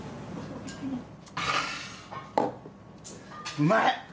うまい！